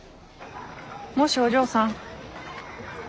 もしお嬢さん。